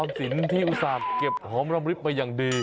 ออมสินทร์ที่อุตสาปเก็บหอมรำลิ่บไปยังดี